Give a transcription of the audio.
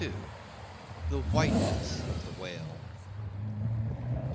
The Whiteness of the Whale.